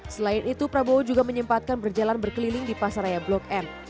selain itu prabowo juga menyempatkan berjalan berkeliling di pasaraya blok m